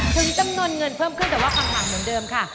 ถึงจำนวนเงินเพิ่มขึ้นแต่ว่าคำถามเหมือนเดิมค่ะ